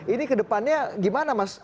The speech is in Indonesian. ini kedepannya gimana mas